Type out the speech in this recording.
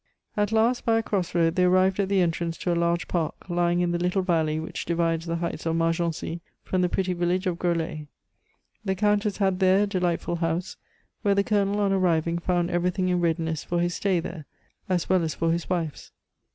At last, by a cross road, they arrived at the entrance to a large park lying in the little valley which divides the heights of Margency from the pretty village of Groslay. The Countess had there a delightful house, where the Colonel on arriving found everything in readiness for his stay there, as well as for his wife's.